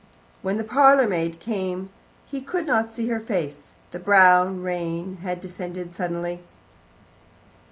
When the parlourmaid came he could not see her face; the brown rain had descended suddenly.